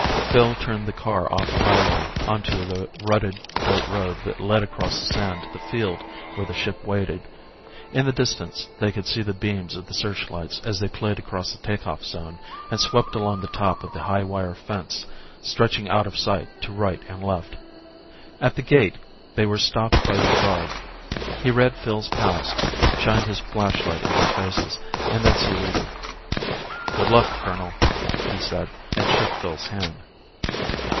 Phil turned the car off the highway onto the rutted dirt road that led across the sand to the field where the ship waited. In the distance they could see the beams of the searchlights as they played across the take off zone and swept along the top of the high wire fence stretching out of sight to right and left. At the gate they were stopped by the guard. He read Phil's pass, shined his flashlight in their faces, and then saluted. "Good luck, colonel," he said, and shook Phil's hand.